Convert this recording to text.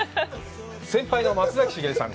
先輩の松崎しげるさん。